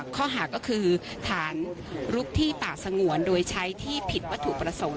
ข้อหาก็คือฐานลุกที่ป่าสงวนโดยใช้ที่ผิดวัตถุประสงค์